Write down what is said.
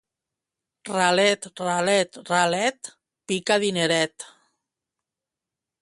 Ralet, ralet, ralet... pica dineret!